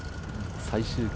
最終組